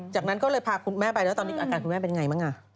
จากนั้นก็เลยพาคุณแม่ไปตอนนี้อาการคุณแม่เป็นอย่างไรมั้ง